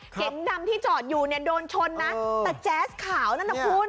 เก๋งดำที่จอดอยู่เนี่ยโดนชนนะแต่แจ๊สขาวนั่นนะคุณ